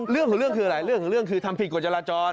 เรื่องของเรื่องคือหลายเรื่องของเรื่องคือทำผิดกฎจราจร